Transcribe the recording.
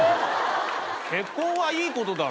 結婚はいいことだろ。